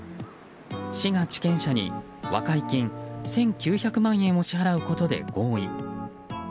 市が地権者に和解金１９００万円を支払うことで合意。